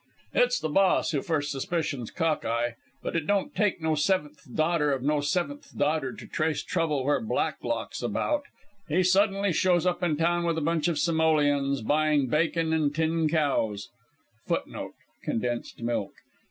"It's the Boss who first suspicions Cock eye. But it don't take no seventh daughter of no seventh daughter to trace trouble where Black lock's about. He sudden shows up in town with a bunch of simoleons, buying bacon and tin cows [Footnote: Condensed milk.